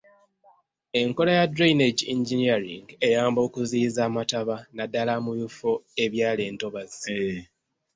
Enkola ya drainage engineering eyamba okuziyiza amataba naddala mu bifo ebyali entobazi.